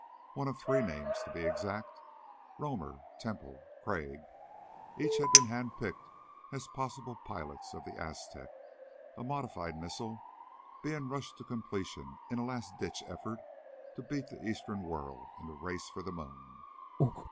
One of three names, to be exact: Romer, Temple, Crag. Each had been hand picked as possible pilots of the Aztec, a modified missile being rushed to completion in a last ditch effort to beat the Eastern World in the race for the moon.